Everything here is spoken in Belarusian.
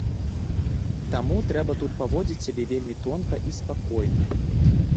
Таму трэба тут паводзіць сябе вельмі тонка і спакойна.